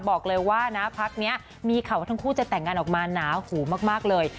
บอกเลยว่านะพักนี้มีข่าวว่าทั้งคู่จะแต่งงานออกมาหนาหูมากเลย